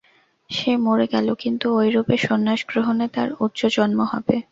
সে মরে গেল, কিন্তু ঐরূপে সন্ন্যাসগ্রহণে তার উচ্চ জন্ম হবে।